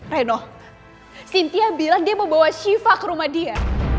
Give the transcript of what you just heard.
reno cynthia bilang dia mau bawa syifa ke rumah dia